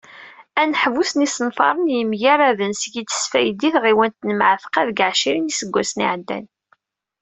Aneḥbus n yisenfaren yemgaraden, seg i d-sfaydi tɣiwant n Mεetqa, deg εecrin n yiseggasen iεeddan.